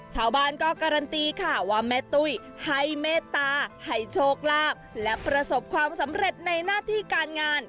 ชาวบ้านก็การันตีค่ะว่าแม่ตุ้ยให้เมตตาให้โชคลาภและประสบความสำเร็จในหน้าที่การงาน